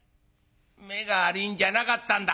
目が悪いんじゃなかったんだ。